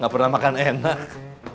gak pernah makan enak